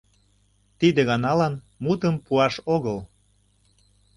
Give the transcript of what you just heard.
Тиде ганалан мутым пуаш огыл.